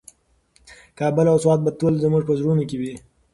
کابل او سوات به تل زموږ په زړونو کې وي.